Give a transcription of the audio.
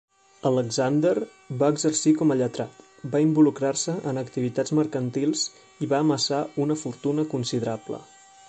Alexander va exercir com a lletrat, va involucrar-se en activitats mercantils i va amassar una fortuna considerable.